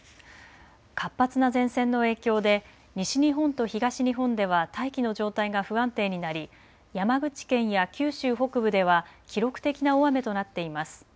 活発な前線の影響で西日本と東日本では大気の状態が不安定になり山口県や九州北部では記録的な大雨となっています。